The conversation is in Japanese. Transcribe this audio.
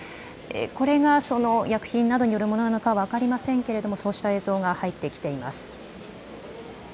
これが薬品などによるものなのか分かりませんがそうした映像が入ってきています。